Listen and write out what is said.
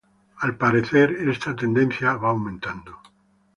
Al parecer, esta tendencia va aumentando.